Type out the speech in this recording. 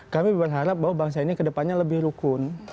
kami berharap bahwa bangsa ini kedepannya lebih rukun